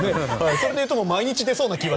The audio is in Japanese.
それで言うと毎日出そうな気が